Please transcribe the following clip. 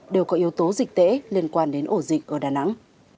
đều có yếu tố dịch tễ liên quan đến ổ dịch ở đà nẵng